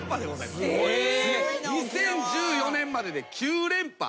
２０１４年までで９連覇。